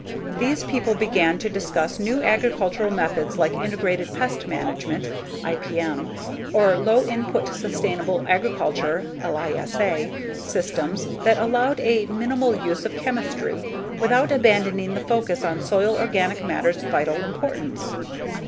These people began to discuss new agricultural methods like Integrated Pest Management [IPM] or Low Input Sustainable Agriculture [LISA], systems that allowed a minimal use of chemistry without abandoning the focus on soil organic matter's vital importance.